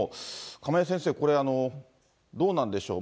亀井先生、これ、どうなんでしょう。